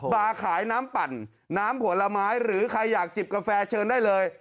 บาร์ขายน้ำปั่นน้ำผลไม้หรือใครอยากจิบกาแฟเชิญได้เลย